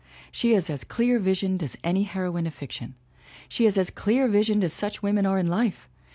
She is as clear visioned as any heroine of fiction; she is as clear visioned as such women are in life!